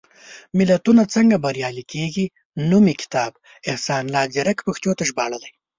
ملتونه څنګه بریالي کېږي؟ نومي کتاب، احسان الله ځيرک پښتو ته ژباړلی.